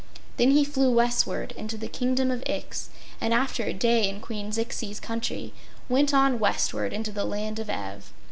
Then he flew westward into the Kingdom of Ix, and after a day in Queen Zixi's country went on westward into the Land of Ev.